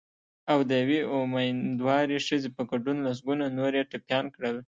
او د یوې امېندوارې ښځې په ګډون لسګونه نور یې ټپیان کړل